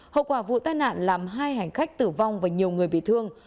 hậu quả vụ tai nạn làm hai hành khách tử vong và nhiều người bị thương